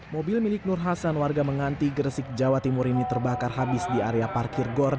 mobil milik nur hasan warga menganti gresik jawa timur ini terbakar habis di area parkir gor